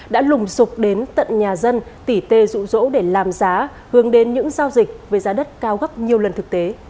đã lùng rục đến tận nhà dân tỉ tê rụ rỗ để làm giá hướng đến những giao dịch về giá đất cao gấp nhiều lần thực tế